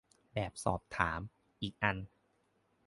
แบบสอบถาม อีกอัน